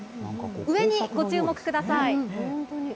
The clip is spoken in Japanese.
上にご注目ください。